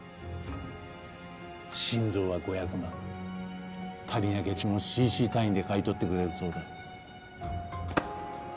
心臓は５００万足りなきゃ血もｃｃ単位で買い取ってくれるそうだ。